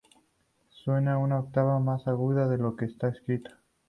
Suena una octava más aguda de lo que está escrito.